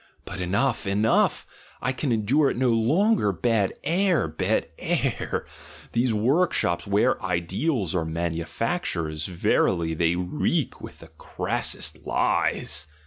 But enough! Enough! I can endure it no longer. Bad air! Bad air! These workshops where ideals are manu factured — verily they reek with the crassest lies."